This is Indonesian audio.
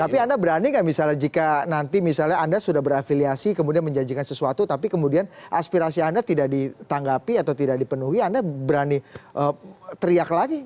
tapi anda berani nggak misalnya jika nanti misalnya anda sudah berafiliasi kemudian menjanjikan sesuatu tapi kemudian aspirasi anda tidak ditanggapi atau tidak dipenuhi anda berani teriak lagi